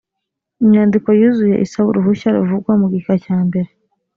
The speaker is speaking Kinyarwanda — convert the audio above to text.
inyandiko yuzuye isaba uruhushya ruvugwa mu gika cyambere